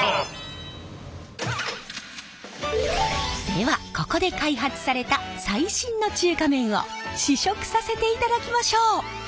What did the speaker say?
ではここで開発された最新の中華麺を試食させていただきましょう！